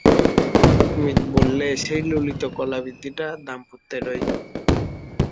অমিত বললে, সেই ললিত কলাবিধিটা দাম্পত্যেরই।